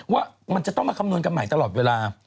ว่ามันจะต้องมาคำนวณกันใหม่ตลอดเวลา